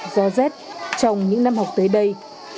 gió rét trong những năm học tới đây